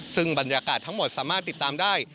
ซึ่งบรรยากาศทั้งหมดสามารถติดตามได้